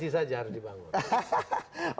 isi saja harus dibangun